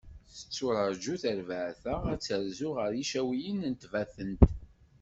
Tetturaǧu terbaɛt-a, ad terzu ɣer Yicawiyen di Tbatent.